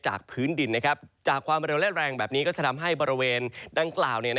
พื้นดินจากความเร็วและแรงแบบนี้ก็จะทำให้บริเวณดังกล่าว